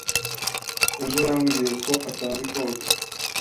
Ejo, yambwiye ko atazi koga.